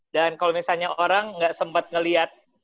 dan kalau misalnya orang nggak sempat ngeliat